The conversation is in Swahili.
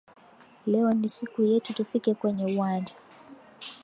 Leo ni siku yetu tufike kwenye uwanja